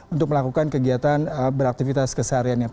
untuk melakukan kegiatan beraktivitas kesehariannya